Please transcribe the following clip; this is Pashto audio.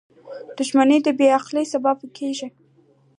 • دښمني د بې عقلی سبب کېږي.